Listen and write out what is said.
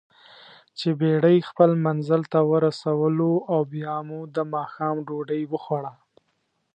چې بېړۍ خپل منزل ته ورسولواو بیا مو دماښام ډوډۍ وخوړه.